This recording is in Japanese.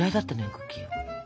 クッキーが。